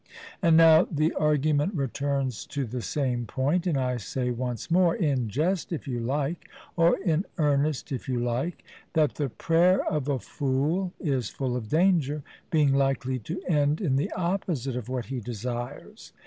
And now the argument returns to the same point, and I say once more, in jest if you like, or in earnest if you like, that the prayer of a fool is full of danger, being likely to end in the opposite of what he desires.